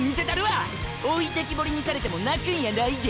置いてきぼりにされても泣くんやないで。